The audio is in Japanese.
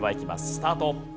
スタート。